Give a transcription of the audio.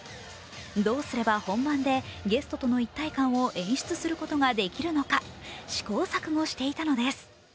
どうすれば本番でゲストとの一体感を演出することができるのか試行錯誤していたのです。